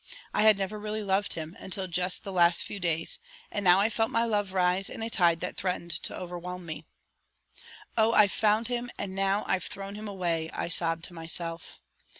I had never really loved him until just the last few days, and now I felt my love rise in a tide that threatened to overwhelm me. "Oh, I found him, and now I've thrown him away," I sobbed to myself.